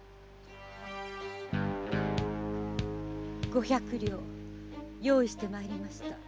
五百両用意してまいりました。